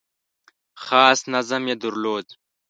خاص نظم یې درلود .